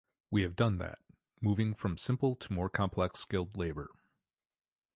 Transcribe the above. We have done that, moving from simple to more complex skilled labor.